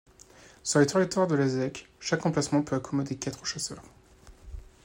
Sur le territoire de la zec, chaque emplacement peut accommoder quatre chasseurs.